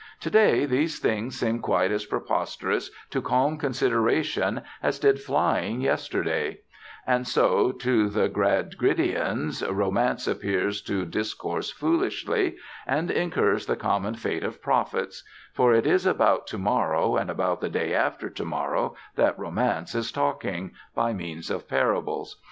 To day these things seem quite as preposterous to calm consideration as did flying yesterday: and so, to the Gradgrindians, romance appears to discourse foolishly, and incurs the common fate of prophets: for it is about to morrow and about the day after to morrow, that romance is talking, by means of parables.